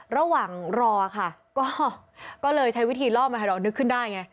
ระหว่างรอค่ะก็เลยใช้วิธีล่อมาให้เรานึกขึ้นได้ไง